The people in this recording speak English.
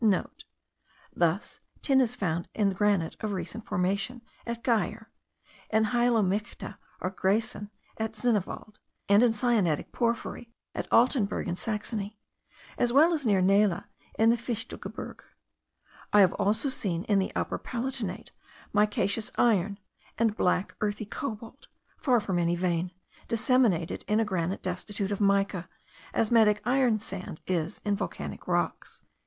(* Thus tin is found in granite of recent formation, at Geyer; in hyalomicte or graisen, at Zinnwald; and in syenitic porphyry, at Altenberg, in Saxony, as well as near Naila, in the Fichtelgebirge. I have also seen, in the Upper Palatinate, micaceous iron, and black earthy cobalt, far from any kind of vein, disseminated in a granite destitute of mica, as magnetic iron sand is in volcanic rocks.)